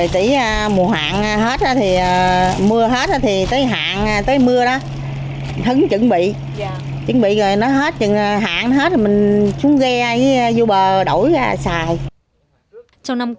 trong năm qua đồn biển hòn chuối đã được đưa vào sử dụng